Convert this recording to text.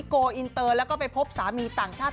โกลอินเตอร์แล้วก็ไปพบสามีต่างชาติ